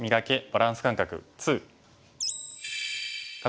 バランス感覚２」。